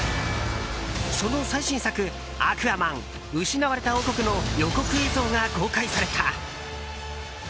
その最新作「アクアマン／失われた王国」の予告映像が公開された。